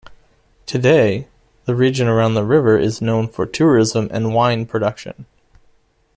Today, the region around the river is known for tourism and wine production.